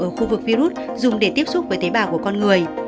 ở khu vực virus dùng để tiếp xúc với tế bào của con người